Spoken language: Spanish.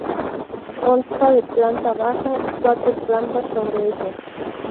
Consta de planta baja y cuatro plantas sobre ella.